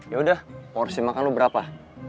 ya udah porsi makan lo berapa